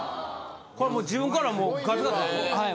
これはもう自分からもうガツガツ行く？